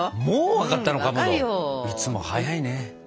いつも早いね。